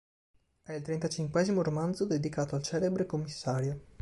È il trentacinquesimo romanzo dedicato al celebre commissario.